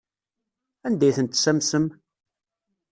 Anda ay ten-tessamsem?